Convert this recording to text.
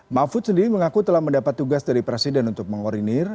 mahfud sendiri mengaku telah mendapat tugas dari presiden untuk mengorinnir